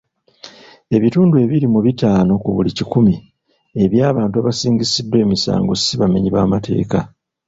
Ebitundu abiri mu bitaano ku buli kikumi eby'abantu abasingisiddwa emisango si bamenyi b'amateeka.